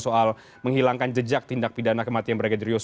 soal menghilangkan jejak tindak pidana kematian